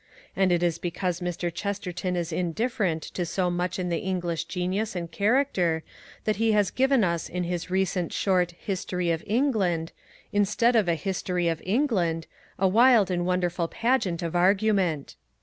And it is because Mr. Chesterton is indifferent to so much in the English genius and character that he has given us in his recent short History of England, instead of a History of England, a wild and wonderful pageant of argument.